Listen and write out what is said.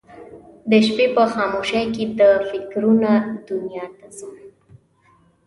د شپې په خاموشۍ کې د فکرونه دنیا ته ځم